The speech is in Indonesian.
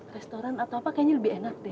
restoran atau apa kayaknya lebih enak deh